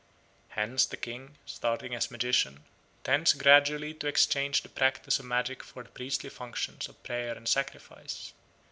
Hence the king, starting as a magician, tends gradually to exchange the practice of magic for the priestly functions of prayer and sacrifice.